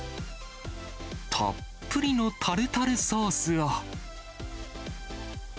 たっぷりのタルタルソースを。